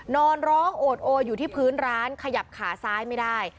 นอนร้องโอดโออยู่ที่พื้นร้านขยับขาซ้ายไม่ได้